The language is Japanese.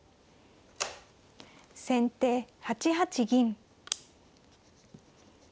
先手８八銀。